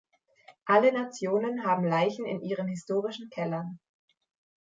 Alle Nationen haben Leichen in ihren historischen Kellern.